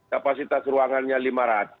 kapasitas ruangannya lima ratus